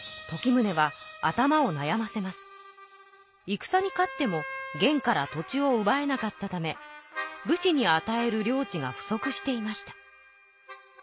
いくさに勝っても元から土地をうばえなかったため武士にあたえる領地が不足していました。